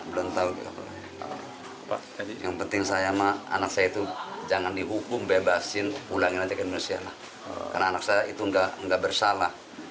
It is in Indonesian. belum tahu yang penting saya mah anak saya itu jangan dihukum bebasin pulangin aja ke indonesia lah karena anak saya itu enggak bersalah